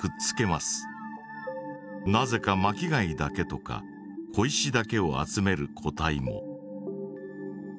なぜか巻き貝だけとか小石だけを集める個体も。